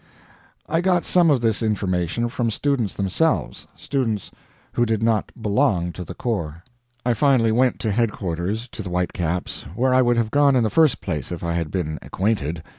I got some of this information from students themselves students who did not belong to the corps. I finally went to headquarters to the White Caps where I would have gone in the first place if I had been acquainted.